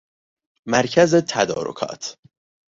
مرکز تدارکات